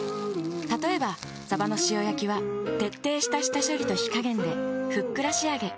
例えばさばの塩焼きは徹底した下処理と火加減でふっくら仕上げ。